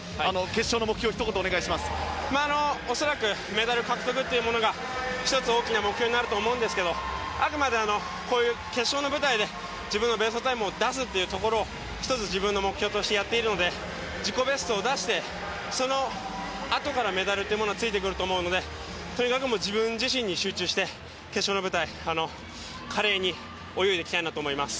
決勝の目標を恐らく、メダル獲得が１つ大きな目標になると思うんですけどあくまで、こういう決勝の舞台で自分のベストタイムを出すというところを自分の目標としてやっているので自己ベストを出してそのあとからメダルがついてくると思うのでとにかく自分自身に集中して決勝の舞台、華麗に泳いでいきたいなと思います。